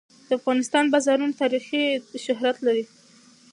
د افغانستان بازارونه تاریخي شهرت لري.